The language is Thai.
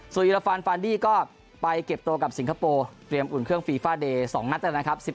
อิราฟานฟานดี้ก็ไปเก็บตัวกับสิงคโปร์เตรียมอุ่นเครื่องฟีฟาเดย์๒นัดนะครับ